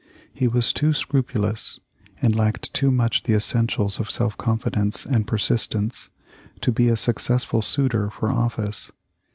He was too scrupulous, and lacked too much the essentials of self confidence and persistence, to be a successful suitor for office.